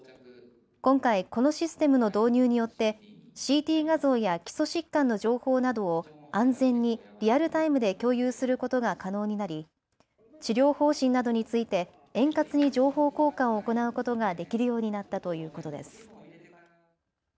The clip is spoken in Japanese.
今回このシステムの導入によってＣＴ画像や基礎疾患の情報などを安全にリアルタイムで共有することが可能になり治療方針などについて円滑に情報交換を行うことができるようになったということです。